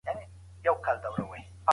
موږ یو بل سره مرسته کوو